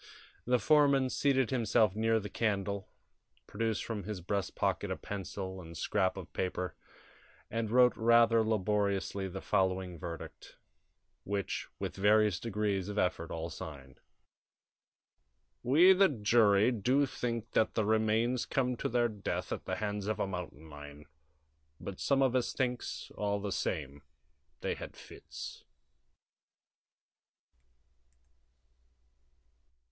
The foreman seated himself near the candle, produced from his breast pocket a pencil and scrap of paper, and wrote rather laboriously the following verdict, which with various degrees of effort all signed: "We, the jury, do find that the remains come to their death at the hands of a mountain lion, but some of us thinks, all the same, they had fits."